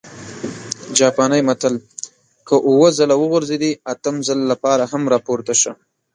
جاپانى متل: که اووه ځل وغورځېدې، اتم ځل لپاره هم راپورته شه!